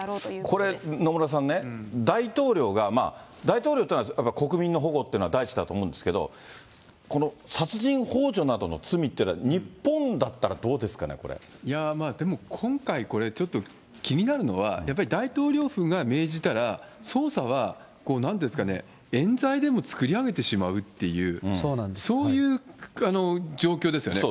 これ、野村さんね、大統領が、大統領っていうのは国民の保護っていうのは第一だと思うんですけれども、この殺人ほう助などの罪っていうのは、日本だいや、でも今回これ、ちょっと気になるのは、やっぱり大統領府が命じたら、捜査はなんて言うんですかね、えん罪でも作り上げてしまうっていう、そういう状況ですよね。